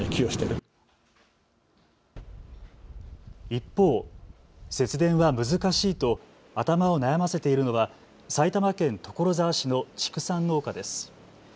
一方、節電は難しいと頭を悩ませているのは埼玉県所沢市の畜産農家です。